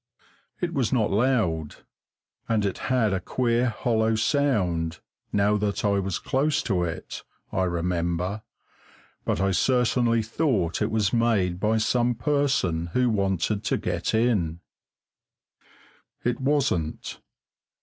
It was not loud, and it had a queer, hollow sound, now that I was close to it, I remember, but I certainly thought it was made by some person who wanted to get in. It wasn't.